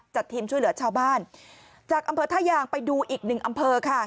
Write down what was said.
ทีมช่วยเหลือชาวบ้านจากอำเภอท่ายางไปดูอีกหนึ่งอำเภอค่ะ